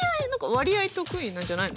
わりあい得意なんじゃないの？